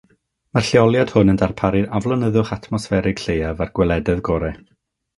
Mae'r lleoliad hwn yn darparu'r aflonyddwch atmosfferig lleiaf a'r gwelededd gorau.